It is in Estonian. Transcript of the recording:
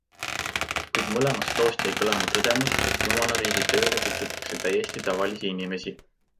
Kuid mõlemast loost jäi kõlama tõdemus, et jumalariigi tööle kutsutakse täiesti tavalisi inimesi.